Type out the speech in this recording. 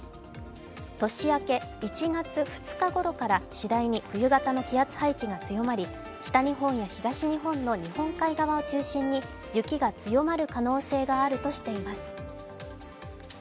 年明け１月２日ごろから次第に冬型の気圧配置が強まり北日本や東日本の日本海側を中心に雪が強まる可能性があるとしています。